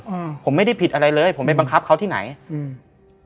อืมผมไม่ได้ผิดอะไรเลยผมไปบังคับเขาที่ไหนอืม